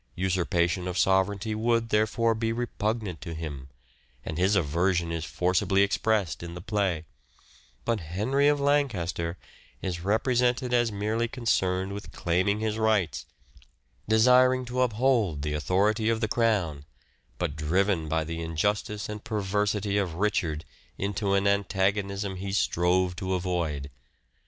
Usurpation of sovereignty would, therefore, be repugnant to him, and his aversion is forcibly expressed in the play ; but Henry of Lancaster is represented as merely concerned with claiming his rights, desiring to uphold the authority of the crown, but driven by the injustice and perversity of Richard into an antagonism he strove to avoid.